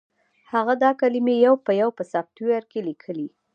هغه دا کلمې یو په یو په سافټویر کې لیکلې